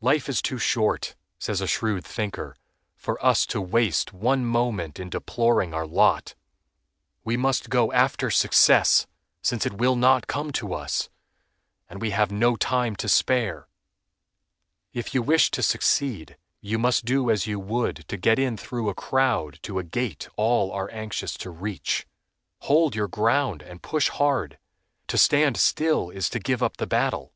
"Life is too short," says a shrewd thinker, "for us to waste one moment in deploring our lot. We must go after success, since it will not come to us, and we have no time to spare." If you wish to succeed, you must do as you would to get in through a crowd to a gate all are anxious to reach—hold your ground and push hard; to stand still is to give up the battle.